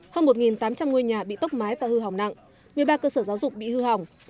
hơn một tám trăm linh ngôi nhà bị tốc mái và hư hỏng nặng một mươi ba cơ sở giáo dục bị hư hỏng